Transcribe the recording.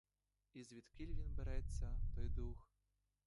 І звідкіль він береться, той дух?